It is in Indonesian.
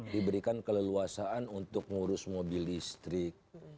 diberikan keleluasaan untuk ngurus mobil listrik